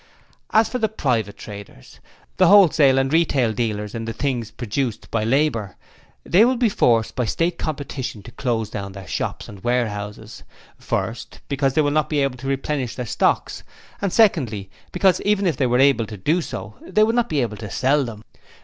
'As for the private traders, the wholesale and retail dealers in the things produced by labour, they will be forced by the State competition to close down their shops and warehouses first, because they will not be able to replenish their stocks; and, secondly, because even if they were able to do so, they would not be able to sell them.